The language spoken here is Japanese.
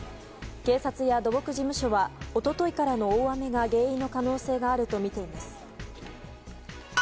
警察や土木事務所は一昨日からの大雨が原因の可能性があるとみています。